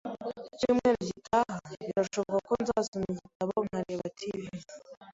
Icyumweru gitaha, birashoboka ko nzasoma igitabo nkareba TV.